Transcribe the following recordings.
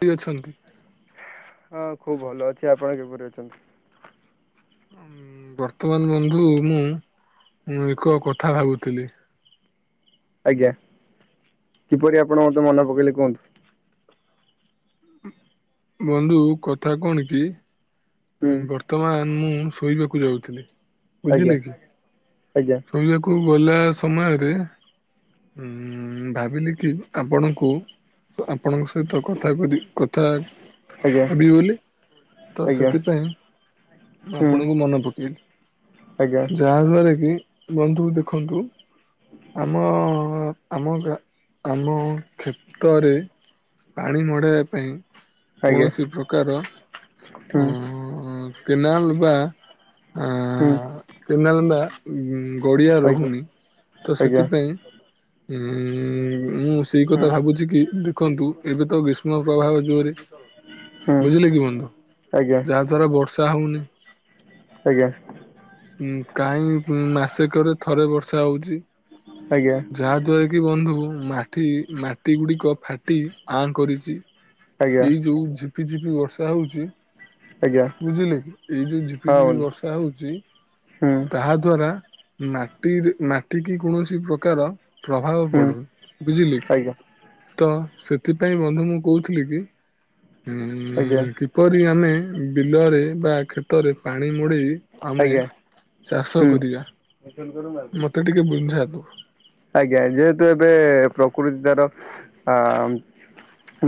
ଠିକ ଅଛନ୍ତି। ହଁ ଖୁବ ଭଲ ଅଛି ଆପଣ କିପରି ଅଛନ୍ତି। [unintelligible] ଆଉ [inaudible] ବର୍ତ୍ତମାନ ବନ୍ଧୁ ମୁଁ ଏକ କଥା ଭାବୁଥିଲି [unintelligible] ଆଜ୍ଞା କିପରି ଆପଣ ମତେ ମନେ ପକେଇଲେ କୁହନ୍ତୁ। ବନ୍ଧୁ କଥା କଣ କି? ହୁଁ ବର୍ତ୍ତମାନ ମୁଁ ଶୋଇବାକୁ ଯାଉଥିଲି ଆଜ୍ଞା ବୁଝିଲେ କି। ଆଜ୍ଞା ଶୋଇବାକୁ ଗଲା ସମୟରେ ଉ ଭାବିଲି କି ଆପଣଙ୍କୁ ଆପଣଙ୍କ ସହିତ କଥା କଥା ଆଜ୍ଞା ଭାବିବି ବୋଲି ତ ସେ ଆଜ୍ଞା ମୁ ହୁଁ ଆପଣଙ୍କୁ ମନେ ଆଜ୍ଞା ପକେଇଲି ଯେ ଯାହା ଫଳରେ କି ବନ୍ଧୁ ଦେଖନ୍ତୁ ଆମ ଆମା ଆମ କ୍ଷେତ୍ରରେ। ପାଣି ମଢେଇବା ପାଇଁ ଆଜ୍ଞା କୌଣସି ପ୍ରକାର। ହୁଁ [inaudible] ଅଁ କେନାଲ ବା ଆ ହୁଁ କେନାଲ ବା ଗଡିଆ ଆଜ୍ଞା ଆଜ୍ଞା ରହୁନି ହୁଁ ତ ହୁଁ ଆଜ୍ଞା ଆଜ୍ଞା ସେଥିପାଇଁ। ଉଁ ମୁଁ ସେଇ କଥା ଭାବୁଛି କି ଦେଖନ୍ତୁ ଏବେ ତ ଗ୍ରୀଷ୍ମ ପ୍ରଭାବ ଜୋରେ [unintelligible] ବୁଝିଲେ କି ବନ୍ଧୁ [unintelligible] ଆଜ୍ଞା। ତା ଦ୍ବାରା ବର୍ଷା ହେଉନି। ଆଜ୍ଞା। ଉ କାହିଁ ମାସେକରେ ଥରେ ବର୍ଷା ହଉଛି। ଆଜ୍ଞା। ଯାହାଦ୍ୱାରା କି ବନ୍ଧୁ ମାଟି ମାଟି ଗୁଡ଼ିକ ଫାଟି ଆଁ କରିଛି। ଆଜ୍ଞା ଏଇ ଯୋଉ ଝିପି ଝିପି ବର୍ଷା ହଉଛି ଆଜ୍ଞା ବୁଝିଲେ କି ଏଇ ଯୋଉ ହଁ ଝିପିଝିପି ବନ୍ଧୁ ବର୍ଷା ହଉଛି ହୁଁ ତାହା ଦ୍ଵାରା ମାଟିରେ ମାଟି କି କୌଣସି ପ୍ରକାର ପ୍ରଭାବ ହୁଁ ପଡୁ ବୁଝିଲି ଆଜ୍ଞା ତ ସେଥିପାଇଁ ବନ୍ଧୁ ମୁଁ କହୁଥିଲି କି ଆଜ୍ଞା। କରି ଆମେ ବିଲରେ ବା ଖେତରେ ପାଣି ମୋଡ଼େଇ ଆମେ ଆଜ୍ଞା ଚାଷ ହୁଁ କରିବା। [unintelligible] ମତେ ଟିକେ ବୁନ୍ଝା ଆଜ୍ଞା ଯେହେତୁ ଏବେ ପ୍ରକୃତି ତାର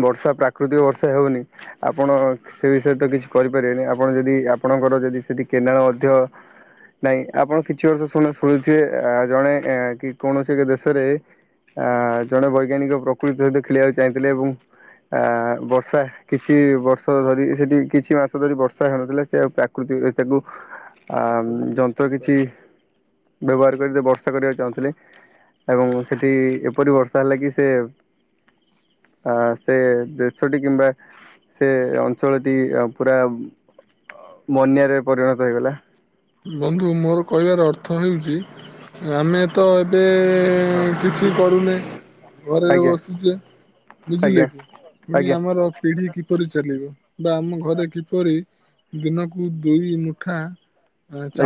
ବର୍ଷା ପ୍ରାକୃତିକ ବର୍ଷା ହେଉନି, ଆପଣ ସେ ବିଷୟରେ ତ କିଛି କରିପାରିବେନି ଆପଣ ଯଦି ଆପଣଙ୍କର ଯଦି ସେଠି କେନାଲ ମଧ୍ୟ ନାଇଁ ଆପଣ କିଛି ବର୍ଷ ଶୁ ଶୁଣୁଥିବେ ଜଣେ କି କୌଣସି ଏକ ଦେଶରେ ଅ ଜଣେ ବୈଜ୍ଞାନିକ ପ୍ରକୃତି ସହିତ ଖେଳିବାକୁ ଚାହିଁଥିଲେ ଏବଂ ଆ ବର୍ଷା କିଛି ବର୍ଷ ଧରି ସେଠି କିଛି ମାସ ଧରି ବର୍ଷା ହେଉନଥିଲା ସେଉ ପ୍ରକୃତି ତାକୁ ଆ ଯନ୍ତ୍ର କିଛି [unintelligible] ବ୍ୟବହାର କରି ବର୍ଷା କରିବାକୁ ଚାହୁଁଥିଲେ। ଏବଂ ସେଠି ଏପରି ବର୍ଷା ହେଲା କି ସେ ଅ ସେ ଦେଶ ଟି କିମ୍ବା ସେ ଅଞ୍ଚଳଟି ପୁରା ବନ୍ୟାରେ ପରିଣତ ହେଇଗଲା। ବନ୍ଧୁ ମୋର କହିବାର ଅର୍ଥ ହେଉଛି ଆମେ ତ ଏବେ କିଛି କରୁନି ଘରେ ଆଜ୍ଞା ବସଛେ। ବୁଝିଲେ ଆଜ୍ଞା କି ପୁଣି ଆଜ୍ଞା ଆମର ପିଢ଼ି କିପରି ଚାଲିବ ବା ଆମ ଘରେ କିପରି ଦିନକୁ ଦୁଇ ମୁଠା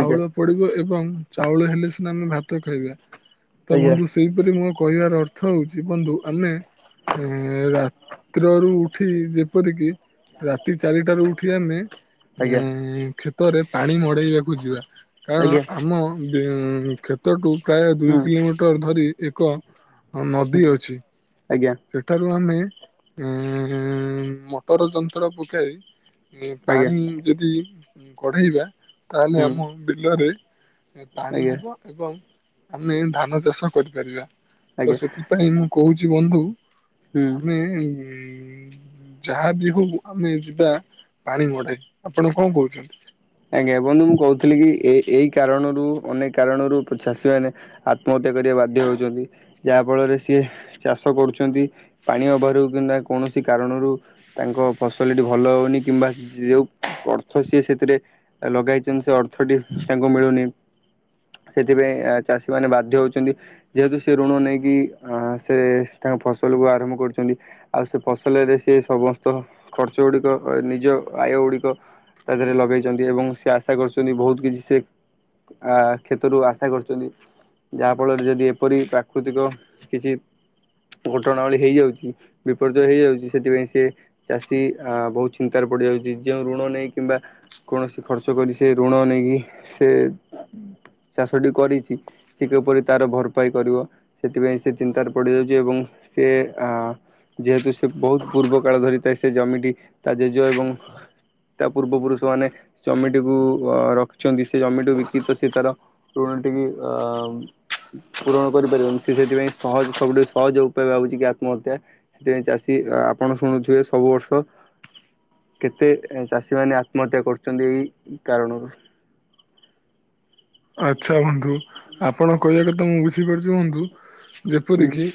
ଆଜ୍ଞା ପଡିବ ଏବଂ ଚାଉଳ ହେଲେ ସିନା ଆମେ ଭାତ ଖାଇବା। ତ ଆଜ୍ଞା ବନ୍ଧୁ ସେହିପରି ମୋ କହିବାର ଅର୍ଥ ହଉଛି ବନ୍ଧୁ ଆମେ ଏ ରାତ୍ରରୁୁ ଉଠି ଯେପରିକି ରାତି ଚାରିଟାରୁ ଉଠି ଆମେ ଉ ଆଜ୍ଞା କ୍ଷେତରେ ପାଣି ମଡେଇବାକୁ ଯିବା। କାରଣ ଆଜ୍ଞା ଆମ କ୍ଷେତଠୁ ପ୍ରାୟ ହୁଁ ଦୁଇ କିଲୋମିଟର ଧରି ଏକ ହଁ ହୁଁ ନଦୀ ଅଛି। ଆଜ୍ଞା ଠାରୁ ଆମେ ମଟର ଯନ୍ତ୍ର ପକାଇ ଆଜ୍ଞା ପାଣି ଯଦି କଢେଇବା ତାହେଲେ ହୁଁ ଆମ ବିଲରେ ପାଣି ଆଜ୍ଞା ହେବ ଏବଂ ଆମେ ଧାନ ଚାଷ କରିପାରିବା ତ ଆଜ୍ଞା ସେଥିପାଇଁ ମୁଁ କହୁଛି ବନ୍ଧୁ ହୁଁ ଆମେ ଉ ଯାହା ବି ହଉ ଆମେ ଯିବା ପାଣି ମଢେଇ ଆପଣ କଣ କହୁଛନ୍ତି? ଆଜ୍ଞା ବନ୍ଧୁ ମୁଁ କହୁଥିଲି କି ଏ ଏଇ କାରଣରୁ ଅନେକ କାରଣରୁ ଚାଷୀ ମାନେ ଆତ୍ମହତ୍ୟା କରିବା ବାଧ୍ୟ ହଉଛନ୍ତି। ଯାହା ଫଳରେ ସିଏ ଚାଷ କରୁଛନ୍ତି ପାଣି ଅଭାବରୁ କିମ୍ବା କୌଣସି କାରଣରୁ ତାଙ୍କ ଫସଲଟି ଭଲ ହଉନି କିମ୍ବା ଯୋଉ ଅର୍ଥ ସିଏ ସେଥିରେ ଲଗେଇଛନ୍ତି ସେ ଅର୍ଥଟି ତାଙ୍କୁ ମିଳୁନି। ସେଥିପାଇଁ ଚାଷୀ ମାନେ ବାଧ୍ୟ ହଉଛନ୍ତି ଯେହେତୁ ସେ ଋଣ ନେଇକି ଅ ସେ ତାଙ୍କ ଫସଲକୁୁ ଆରମ୍ଭ କରୁଛନ୍ତି। ଆଉ ସେ ଫସଲରେ ସେ ସମସ୍ତ ଖର୍ଚ୍ଚ ଗୁଡିକ ନିଜ ଆୟ ଗୁଡିକ ତା ଦେହରେ ଲଗେଇଛନ୍ତି ଏବଂ ସେ ଆଶା କରୁଛନ୍ତି ବହୁତ କିଛି ସେ ଆ କ୍ଷେତରୁ ଆଶା କରିଛନ୍ତି। ଯାହା ଫଳରେ ଯଦି ଏପରି ପ୍ରାକୃତିକ କିଛି ଘଟଣାବଳି ହେଇଯାଉଛି, ବିପର୍ଯ୍ୟୟ ହେଇଯାଉଛି ସେଥିପାଇଁ ସିଏ ଚାଷୀ ଆ ବହୁତ ଚିନ୍ତାରେ ପଡିଯାଉଛି। ଯେଉ ଋଣ ନେଇ କିମ୍ବା କୌଣସି ଖର୍ଚ୍ଚ କରି ସେ ଋଣ ନେଇକି ସେ ଚାଷଟି କରିଚି ସେ କିପରି ତାର ଭରପାଇ କରିବ ସେଥିପାଇଁ ସେ ଚିନ୍ତାରେ ପଡିଯାଉଛି ଏବଂ ସେ ଆ ଯେହେତୁ ସେ ବହୁତ ପୂର୍ବ କାଳ ଧରି ତା ସେ ଜମିଟି ତା ଜେଜେ ଏବଂ ତା ପୂର୍ବ ପୁରୁଷ ମାନେ ଜମିଟିକୁ ଅ ରଖିଛନ୍ତି, ସେ ଜମିଟିକୁ ବିକି ତ ସେ ତାର ଋଣ ଟିକି ଆ ପୂରଣ କରିପାରିବନି, ସେ ସେଥିପାଇଁ ସହଜ ସବୁଠୁ ସହଜ ଉପାୟ ଭାବୁଛି କି ଆତ୍ମହତ୍ୟା। ସେଥିପାଇଁ ଚାଷୀ ଆପଣ ଶୁଣୁଥିବେ ସବୁ ବର୍ଷ କେତେ ଚାଷୀ ମାନେ ଆତ୍ମହତ୍ୟା କରୁଛନ୍ତି ଏଇ ଇ କାରଣରୁ। ଆଚ୍ଛା ବନ୍ଧୁ। ଆପଣ କହିବା କଥା ମୁଁ ବୁଝିପାରୁଛି ବନ୍ଧୁ। ଯେପରିକି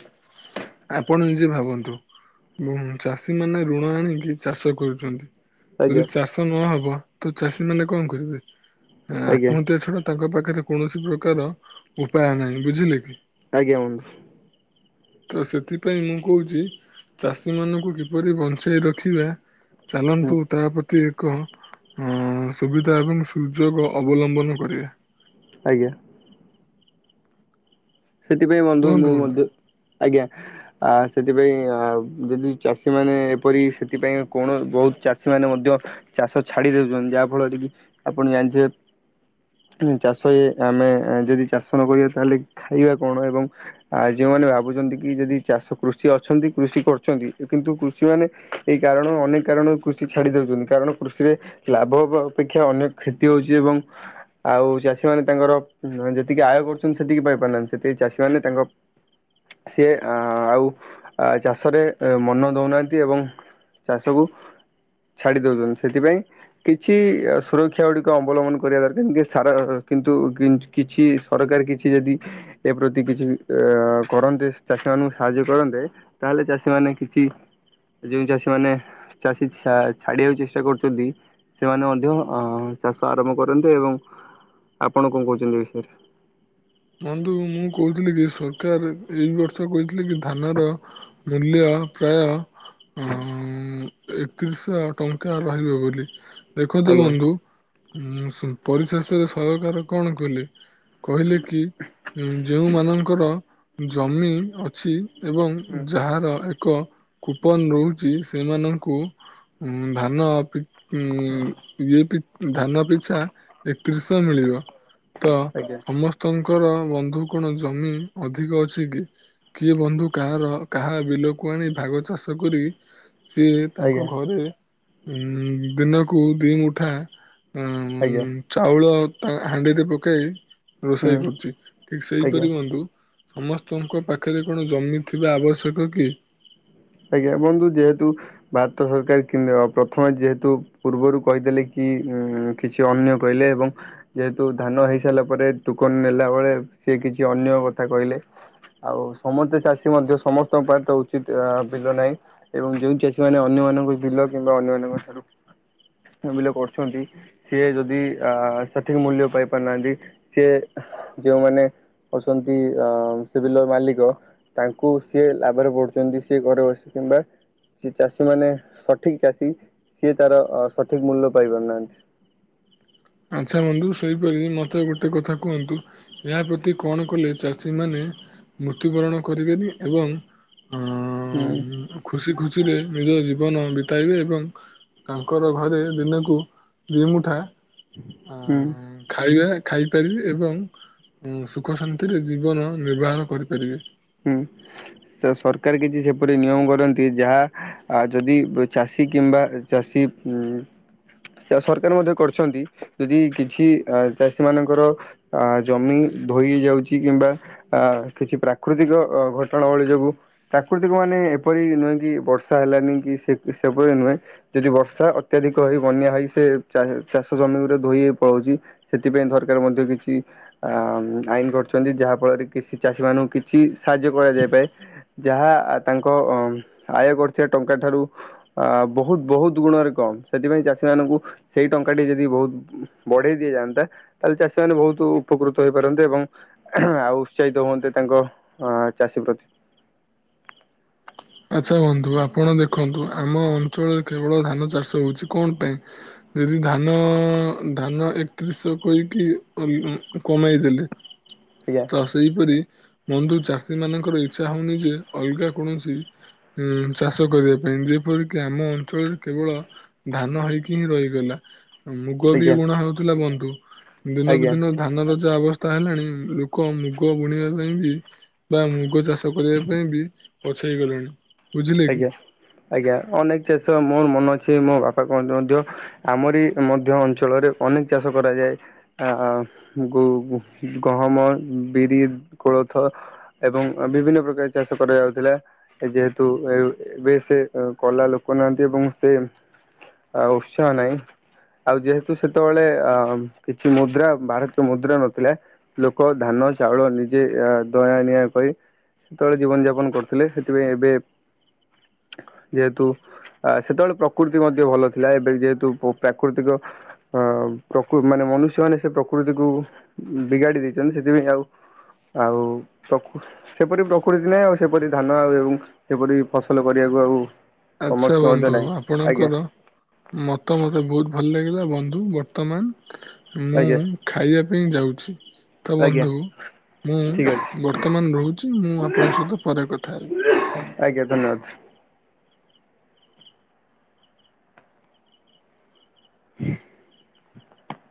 ଆପଣ ନିଜେ ଭାବନ୍ତୁ। ଉଁ ଚାଷୀମାନେ ଋଣ ଆଣିକି ଚାଷ କରୁଛନ୍ତି। ଯଦି ଆଜ୍ଞା ଚାଷ ନହବ ତ ଚାଷୀ ମାନେ କଣ କରିବେ? ଆଜ୍ଞା ଆତ୍ମହତ୍ୟା ଛଡା ତାଙ୍କ ପାଖରେ କୌଣସି ପ୍ରକାର ଉପାୟ ନାହିଁ। ବୁଝିଲେ କି? ଆଜ୍ଞା ବନ୍ଧୁ। ତ ସେଥିପାଇଁ ମୁଁ କହୁଛି ଚାଷୀ ମାନଙ୍କୁ କିପରି ବଞ୍ଚେଇ ରଖିବା ହୁଁ ଚାଲନ୍ତୁ ଓ ତାପ ପ୍ରତି ଏକ ଆଁ ସୁବିଧା ଏବଂ ସୁଯୋଗ ଅବଲମ୍ବନ କରିବା। ଆଜ୍ଞା। ସେଥିପାଇଁ ବନ୍ଧୁ ମୁଁ ମଧ୍ୟ, ଆଜ୍ଞା। ଆ ସେଥିପାଇଁ ଅ ଯଦି ଚାଷୀ ମାନେ ଏପରି ସେଥିପାଇଁ କଣ ବହୁତ ଚାଷୀ ମାନେ ମଧ୍ୟ ଚାଷ ଛାଡି ଦଉଛନ୍ତି। ଯାହା ଫଳରେ କି ଆପଣ ଜାଣିଥିବେ ଚାଷି ଆମେ ଯଦି ଚାଷ ନ କରିବା ତାହେଲେ ଖାଇବା କଣ ଏବଂ ଆ ଯୋଉମାନେ ଭାବୁଛନ୍ତି କି ଯଦି ଚାଷ କୃଷି ଅଛନ୍ତି, କୃଷି କରୁଛନ୍ତି କିନ୍ତୁ କୃଷି ମାନେ ଏଇ କାରଣ ଅନେକ କାରଣରୁ କୃଷି ଛାଡ଼ି ଦେଉଛନ୍ତି। କାରଣ କୃଷିରେ ଲାଭ ହବା ଅପେକ୍ଷା ଅନେକ କ୍ଷତି ହଉଛି ଏବଂ ଆଉ ଚାଷୀ ମାନ ତାଙ୍କର ଯେତିକି ଆୟ କରୁଛନ୍ତି ସେତିକି ବାଧ ପାଉନାହାନ୍ତି। ସେଥିପାଇଁ ଚାଷୀମାନେ ତାଙ୍କ ସିଏ ଆ ଆଉ ଆ ଚାଷରେ ମନ ଦଉନାହାନ୍ତି ଏବଂ ଚାଷକୁ ଛାଡି ଦଉଛନ୍ତି। ସେଥିପାଇଁ କିଛି ସୁରକ୍ଷା ଗୁଡିକ ଅବଲମ୍ବନ କରିବା ଦରକାର [unintelligible] କିଛି ସରକାର କିଛି ଯଦି ଏ ପ୍ରତି କିଛି ଅ କରନ୍ତେ ଚାଷୀ ମାନଙ୍କୁ ସାହାଯ୍ୟ କରନ୍ତେ ତାହେଲେ ଚାଷୀ ମାନେ କିଛି ଯେଉଁ ଚାଷୀ ମାନେ ଚାଷୀ ଛା ଛାଡିବାକୁ ଚେଷ୍ଟା କରୁଛନ୍ତି ସେମାନେ ମଧ୍ୟ ଅ ଚାଷ ଆରମ୍ଭ କରନ୍ତେ ଏବଂ ଆପଣ କଣ କହୁଛନ୍ତି ବିଷୟରେ? ବନ୍ଧୁ ମୁଁ କହୁଥିଲି କି ସରକାର ଏଇ ବର୍ଷ କହିଥିଲେ କି ଧାନର ମୂଲ୍ୟ ପ୍ରାୟ ଅଁ ଏକତିରିଶହ ଟଙ୍କା ରହିବ ବୋଲି। ଦେଖନ୍ତୁ ଆଜ୍ଞା ବନ୍ଧୁ ଉଁ ପରିଶେଷରେ ସରକାର କଣ କଲେ? କହିଲେ କି ଯେଉଁମାନଙ୍କର ଜମି ଅଛି ଏବଂ ହୁଁ ଯାହାର ଏକ କୁପନ ରହୁଛି ସେମାନଙ୍କୁ ଧାନ ଉ ଇଏ ଧାନ ପିଛା ଏକତିରିଶହ ମିଳିବ। ତ ଆଜ୍ଞା ସମସ୍ତଙ୍କର ବନ୍ଧୁ କଣ ଜମି ଅଧିକ ଅଛି କି? କିଏ ବନ୍ଧୁ କାହାର କାହା ବିଲକୁ ଆଣି ଭାଗ ଚାଷ କରି ସିଏ ତାଙ୍କ ଆଜ୍ଞା ଘରେ ଉ ଦିନକୁ ଦି ମୁଠା ଉ ଆଜ୍ଞା ଚାଉଳ ତା ହାଣ୍ଡିରେ ପକେଇ ହୁଁ ରୋଷେଇ କରୁ ଠିକ ଆଜ୍ଞା ସେହିପରି ବନ୍ଧୁ ସମସ୍ତଙ୍କ ପାଖରେ କଣ ଜମି ଥିବା ଆବଶ୍ୟକ କି? ଆଜ୍ଞା ବନ୍ଧୁ, ଯେହେତୁ ଭାରତ ସରକାର କି ପ୍ରଥମେ ଯେହେତୁ ପୂର୍ବରୁ କହିଦେଲେ କି, ଉ କିଛି ଅନ୍ୟ କହିଲେ ଏବଂ ଯେହେତୁ ଧାନ ହେଇସାରିଲା ପରେ ଟୋକନ ନେଲା ବେଳେ ସିଏ କିଛି ଅନ୍ୟ କଥା କହିଲେ। ଆଉ ସମସ୍ତେ ଚାଷୀ ମଧ୍ୟ ସମସ୍ତଙ୍କ ପାଇଁ ତ ଉଚିତ ଅ ବିଲ ନାହିଁ, ଏବଂ ଯୋଉ ଚାଷୀ ମାନେ ଅନ୍ୟମାନଙ୍କୁ ବିଲ କିମ୍ବା ଅନ୍ୟମାନଙ୍କ ଠାରୁ ବିଲ କରୁଛନ୍ତି, ସିଏ ଯଦି ଅ ସଠିକ ମୂଲ୍ୟ ପାଇ ପାରୁନାହାନ୍ତି। ସିଏ ଯୋଉମାନେ ଅଛନ୍ତି ଅ ସେ ବିଲର ମାଲିକ, ତାଙ୍କୁ ସିଏ ଲାଭରେ ପଢୁଛନ୍ତି। ସେଏ ଘ ବସି କିମ୍ବା ସେ ଚାଷୀ ମାନେ, ସଠିକ ଚାଷୀ ସିଏ ତାର ସଠିକ୍ ମୂଲ୍ୟ ପାଇପାରୁନାହାନ୍ତି। ଆଚ୍ଛା ବନ୍ଧୁ ସେହିପରିି ମୋତେ ଗୋଟେ କଥା କୁହନ୍ତୁ, ଏହା ପ୍ରତି କଣ କଲେ ଚାଷୀ ମାନେ ମୃତ୍ୟୁବରଣ କରିବେନି, ଏବଂ ହଁ। ହଁ। ଖୁସି ଖୁସିରେ ନିଜ ଜୀବନ ବିତାଇବେ ଏବଂ ତାଙ୍କର ଘରେ ଦିନକୁ ଦୁଇ ମୁଠା ହୁଁ। ଖାଇବା ଖାଇପାରିବେ ଏବଂ ସୁଖ ଶାନ୍ତିରେ ଜୀବନ ନିର୍ବାହନ କରିପାରିବେ। ହୁଁ। ସରକାର କିଛି ସେପରି ନିୟମ କରନ୍ତି, ଯାହା ଆ ଯଦି ଚାଷୀ କିମ୍ବା ଚାଷୀ ଉ ସରକାର ମଧ୍ୟ କରିଛନ୍ତି, ଯଦି କିଛି ଚାଷୀ ମାନଙ୍କର ଅ ଜମି ଧୋଇ ଯାଉଛି କିମ୍ବା ଅ କିଛି ପ୍ରା ପ୍ରାକୃତିକ ଘଟଣାବଳୀ ଯୋଗୁଁ ପ୍ରାକୃତିକ ମାନେ ଏପରି ନୁହେଁ କି ବର୍ଷା ହେଲାନି କି, ସେପରି ନୁହେଁ। ଯଦି ବର୍ଷା ଅତ୍ୟଧିକ ହେଇ ବନ୍ୟା ହେଇ, ସେ ଚାଷ ଜମିରେ ଧୋଇ ହେଇ ପଳଉଛି। ସେଥିପାଇଁ ସରକାର ମଧ୍ୟ କିଛି ଅ ଆଇନ କରିଛନ୍ତି। ଯାହା ଫଳରେ କିଛି ଚାଷୀ ମାନଙ୍କୁ କି କିଛି ସାହାଯ୍ୟ କରାଯାଇପାରେ। ଯାହା ତାଙ୍କ ଅ ଆୟ କରୁଥିବା ଟଙ୍କା ଠାରୁ ଅ ବହୁତ ବହୁତ ଗୁଣରେ କମ। ସେଥିପାଇଁ ଚାଷୀ ମାନଙ୍କୁ ସେଇ ଟଙ୍କାଟି ଯଦି ବହୁତ ବଢେଇ ଦିଆଯାଆନ୍ତା, ତାହେଲେ ଚାଷୀ ମାନେ ବହୁତ ଉପକୃତ ହେଇପାରନ୍ତେ ଏବଂ ଆଉ ଉତ୍ସାହିତ ହୁଅନ୍ତେ ତାଙ୍କ ହଁ ଚାଷୀ ପ୍ରତି ଆଚ୍ଛା ବନ୍ଧୁ। ଆପଣ ଦେଖନ୍ତୁ ଆମ ଅଞ୍ଚଳରେ କେବଳ ଧାନ ଚାଷ ହଉଛି କଣ ପାଇଁ? ଯଦି ଧାନ, ଧାନ ଏକତିରିଶ କହିକି କମି କମାଇଦେଲେ। [inaudible] [unintelligible] ତ ସେହିପରି ବନ୍ଧୁ ଚାଷୀ ମାନଙ୍କର ଇଚ୍ଛା ହଉନି ଯେ, ଅଲଗା କୌଣସି ଉଁ ଚାଷ କରିବା ପାଇଁ ଯେପରିକି ଆମ ଅଞ୍ଚଳରେ କେବଳ ଧାନ ହେଇକି ହିଁ ରହିଗଲା, ମୁଗବି ଆଜ୍ଞା ବୁଣା ହଉଥିଲା, ବନ୍ଧୁ ଦିନକୁ ଆଜ୍ଞା ଦିନ ଧାନର ଯାହା ଅବସ୍ଥା ହେଲାଣି, ଲୋକ ମୁଗ ବୁଣିବା ପାଇଁ ବି ବା ମୁଗ ଚାଷ [unintelligible] କରିବା ପାଇଁ ବି ପଛେଇଗଲେଣି। ଆଜ୍ଞା, ଆଜ୍ଞା, ଅନେକ ଚାଷ ମୋର ମନ ଅଛି, ମୋ ବାପା କହନ୍ତି ମଧ୍ୟ ଆମରି ମଧ୍ୟ ଅଞ୍ଚଳରେ ଅନେକ ଚାଷ କରାଯାଏ। ଆ ଆ ମୃଗ, ଗହମ, ବିରି, କୋଳଥ, ଏବଂ ବିଭିନ୍ନ ପ୍ରକାର ଚାଷ କରାଯାଉଥିଲା। ଯେହେ ତୁ ଏବ ଏବେ ସେ କଲା ଲୋକ ନାହାନ୍ତି ଏବଂ ସେ ଆଉ ଉତ୍ସାହ ନାହିଁ। ଆଉ ଯେହେତୁ ସେତେବେଳେ ଅ କିଛି ମୁଦ୍ରା ଭାରତୀୟ ମୁଦ୍ରା ନଥିଲା। ଲୋକ ଧାନ -ଚାଉଳ ନିଜେ ଦୟା- ନିଆଁ କରି ସେତେବେଳେ ଜୀବନ ଯାପନ କରୁଥିଲେ, ସେଥିପାଇଁ ଏବେ ଯେହେତୁ ଆ ସେତେବେଳେ ପ୍ରକୃତି ମଧ୍ୟ ଭଲ ଥିଲା, ଏବେ ଯେହେତୁ ପ ପ୍ରାକୃତିକ ଅ ପ୍ରକୃ ମାନେ ମନୁଷ୍ୟ ମାନେ ସେ ପ୍ରକୃତିକୁ ବିଗାଡି ଦେଇଛନ୍ତି, ସେଥିପାଇଁ ଆଉ ଆଉ ସକ ସେପରି ପ୍ରକୃତି ନାହିଁ, ଆଉ ସେପରି ଧାନ ଆଉ ସେପରି ଫସଲ କରିବାକୁ ଆଉ ଆଚ୍ଛା ସମକ୍ଷ ମଧ୍ୟ ବନ୍ଧୁ, ନାହିଁ ଆଜ୍ଞା ଆପଣଙ୍କର ମତାମତ ବହୁତ ଭଲ ଲାଗିଲା ବନ୍ଧୁ, ବର୍ତ୍ତମାନ ମୁଁ ଆଜ୍ଞା ଖାଇବା ପାଇଁ ଯାଉଛି। ତ ଆଜ୍ଞା ବନ୍ଧୁ, ମୁଁ ଠିକ ଅଛି ବର୍ତ୍ତମାନ ରହୁଛି, ମୁଁ ଆପଣଙ୍କ ସହିତ ପରେ କଥା ହେବି। ଆଜ୍ଞା, ଧନ୍ୟବାଦ। ଉ [inaudible]